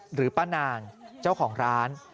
หรือป้านางเจ้าของร้าน